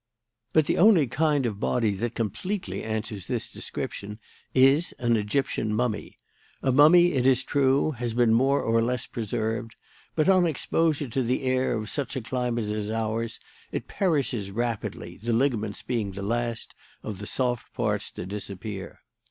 But the only kind of body that completely answers this description is an Egyptian mummy. A mummy, it is true, has been more or less preserved; but on exposure to the air of such a climate as ours it perishes rapidly, the ligaments being the last of the soft parts to disappear.